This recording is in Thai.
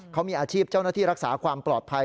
เขามีอาชีพเจ้าหน้าที่รักษาความปลอดภัย